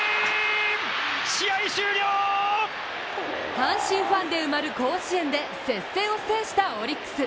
阪神ファンで埋まる甲子園で接戦を制したオリックス。